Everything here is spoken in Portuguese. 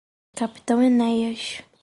Capitão Enéas